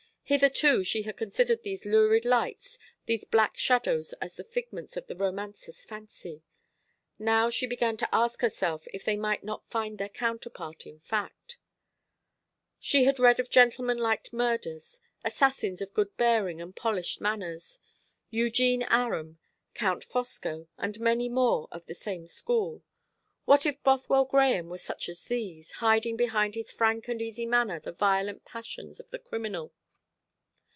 Hitherto she had considered these lurid lights, these black shadows, as the figments of the romancer's fancy. Now she began to ask herself if they might not find their counterpart in fact. She had read of gentlemanlike murderers assassins of good bearing and polished manners Eugene Aram, Count Fosco, and many more of the same school. What if Bothwell Grahame were such as these, hiding behind his frank and easy manner the violent passions of the criminal?